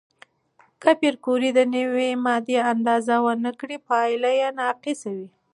که پېیر کوري د نوې ماده اندازه ونه کړي، پایله ناقصه وي.